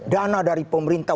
dana dari pemerintah